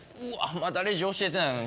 まだレジ教えてないのに。